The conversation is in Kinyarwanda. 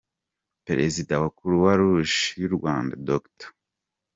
Perezida wa Croix-Rouge y’u Rwanda, Dr.